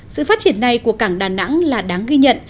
sự phát triển này của cảng đà nẵng là đáng ghi nhận